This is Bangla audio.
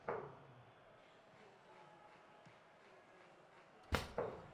বিজিবিতে নারী সৈনিক নিয়োগের মাধ্যমে নারীর ক্ষমতায়নে আমরা আরও একধাপ এগিয়ে গেলাম।